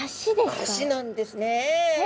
足なんですねえ。